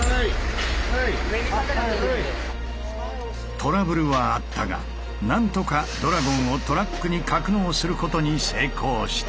トラブルはあったが何とかドラゴンをトラックに格納することに成功した。